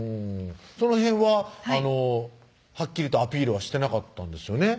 その辺ははっきりとアピールはしてなかったんですよね？